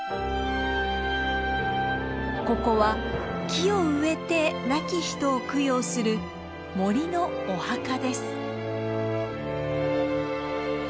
ここは木を植えて亡き人を供養する森のお墓です。